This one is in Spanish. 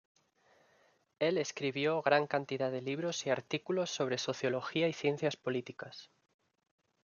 El escribió gran cantidad de libros y artículos sobre Sociología y Ciencias Políticas.